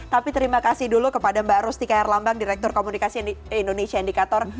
tapi terima kasih dulu kepada mbak rustika erlambang direktur komunikasi indonesia indikator